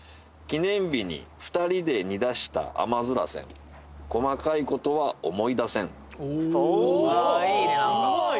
記念日に２人で煮出したあまづらせん細かいことは思い出せんおぉ